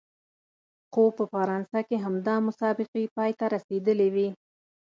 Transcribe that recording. خو په فرانسه کې همدا مسابقې پای ته رسېدلې وې.